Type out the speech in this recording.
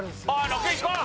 ６いこう！